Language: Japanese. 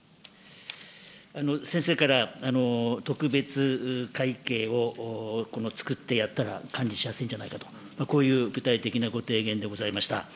先生から特別会計を、作ってやったら管理しやすいんじゃないかと、こういう具体的なご提言でございました。